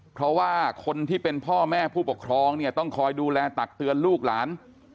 เพราะว่าคนที่เป็นพ่อแม่ผู้ปกครองเนี่ยต้องคอยดูแลตักเตือนลูกหลาน